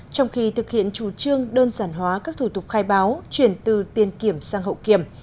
trong khi thực hiện chủ trương đơn giản hóa các thủ tục khai báo chuyển từ tiền kiểm sang hậu kiểm